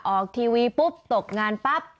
ออกทีวีปุ๊บตกงานปั๊บ